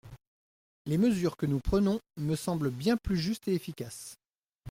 Les mesures que nous prenons me semblent bien plus justes et efficaces.